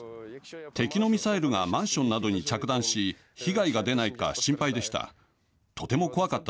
敵のミサイルがマンションなどに着弾し被害が出ないか心配でした。